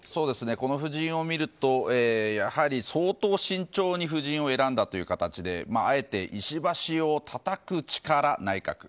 この布陣を見るとやはり相当慎重に布陣を選んだという形であえて石橋をたたく力内閣。